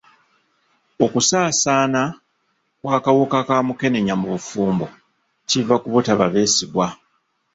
Okusaasaana kw'akaawuka ka mukenenya mu bafumbo kiva ku butaba beesigwa.